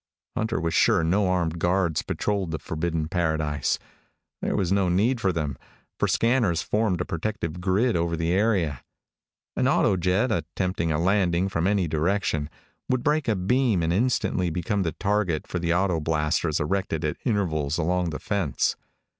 Hunter was sure no armed guards patrolled the forbidden paradise. There was no need for them, for scanners formed a protective grid over the area. An autojet, attempting a landing from any direction, would break a beam and instantly become the target for the autoblasters erected at intervals along the fence.